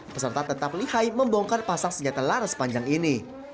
peserta tetap lihai membongkar pasang senjata laras panjang ini